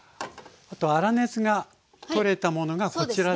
あと粗熱が取れたものがこちらですね。